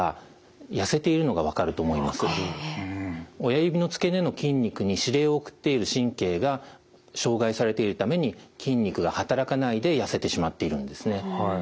親指の付け根の筋肉に指令を送っている神経が障害されているために筋肉が働かないで痩せてしまっているんですね。